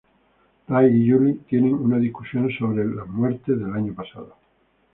Ray y Julie tienen una discusión acerca de las muertes del año pasado.